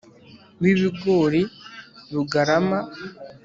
W ibigori rugarama